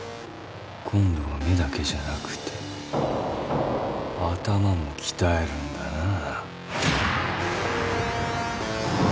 今度は目だけじゃなくて頭も鍛えるんだなぁ。